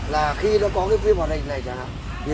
là khi nó có cái phim màn hình này chẳng hạn